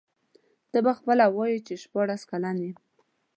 ته به خپله وایې چي شپاړس کلن یم.